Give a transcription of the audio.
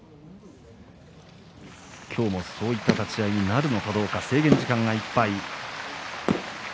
今日もそういう立ち合いになるのかどうか制限時間いっぱい。